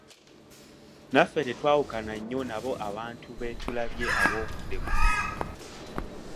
Naffe tetwawukana nnyo n‘abo abantu be tulabye ab‘obudde buli.